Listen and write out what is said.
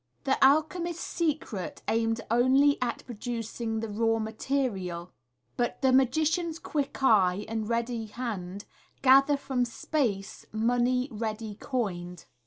The alchemist's secret aimed only at producing the raw material, but the magician's quick eye and ready hand gather from space money ready coined.